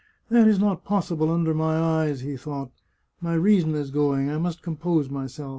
" That is not possible under my eyes," he thought. " My reason is going. I must compose myself.